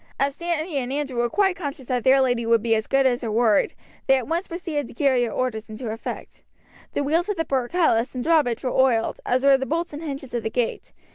As Sandy and Andrew were quite conscious that their lady would be as good as her word, they at once proceeded to carry her orders into effect. The wheels of the portcullis and drawbridge were oiled, as were the bolts and hinges of the gate.